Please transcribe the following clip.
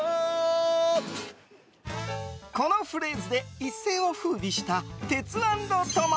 このフレーズで一世を風靡したテツａｎｄトモ。